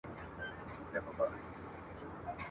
ستا لپاره بلېدمه ستا لپاره لمبه خورمه !.